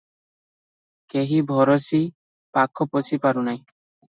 କେହି ଭରସି ପାଖ ପଶି ପାରୁନାହିଁ ।